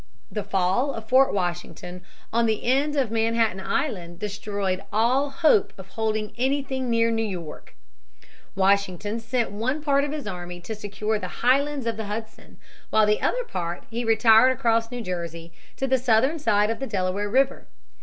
The fall of Fort Washington on the end of Manhattan Island destroyed all hope of holding anything near New York. Washington sent one part of his army to secure the Highlands of the Hudson. With the other part he retired across New Jersey to the southern side of the Delaware River.